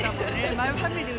「マイファミリー」